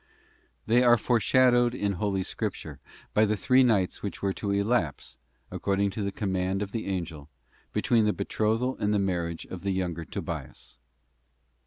They are foreshadowed in Holy Scripture by the three nights which were to elapse, according to the command of the angel, between the betrothal and the marriage of the younger Tobias.